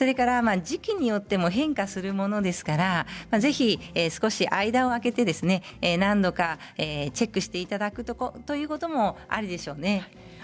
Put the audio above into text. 時期によっても変化するものですからぜひ間を開けて何度かチェックしていただくということもありでしょうね。